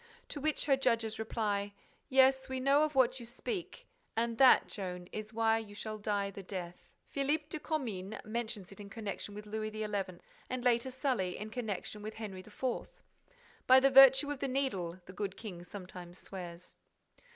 To which her judges reply, "Yes, we know of what you speak; and that, Joan, is why you shall die the death." Philippe de Comines mentions it in connection with Louis XI., and, later, Sully in connection with Henry IV.: "By the virtue of the Needle!" the good king sometimes swears.